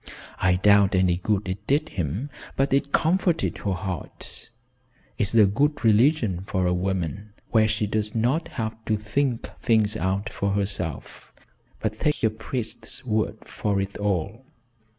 I doubt any good it did him, but it comforted her heart. It's a good religion for a woman, where she does not have to think things out for herself, but takes a priest's word for it all.